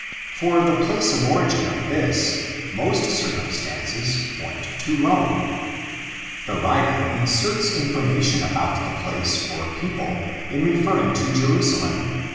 For the place of origin of this, most circumstances point to Rome. The writer inserts information about the place or people in referring to Jerusalem (i.